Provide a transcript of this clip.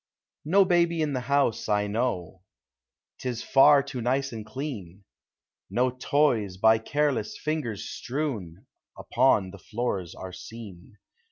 No baby in the house, I know, 'T is far too nice and clean. No toys, by careless lingers strewn, Upon the floors are seen.